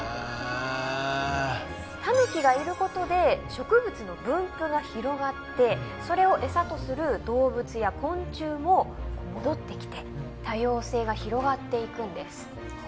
タヌキがいることで植物の分布が広がってそれを餌とする動物や昆虫も戻ってきて多様性が広がっていくんです。